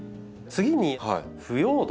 次に「腐葉土」。